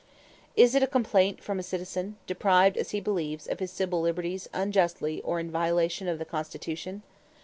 Is it a complaint from a citizen, deprived, as he believes, of his civil liberties unjustly or in violation of the Constitution?